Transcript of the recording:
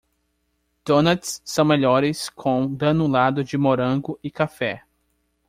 Donuts são melhores com granulado de morango e café.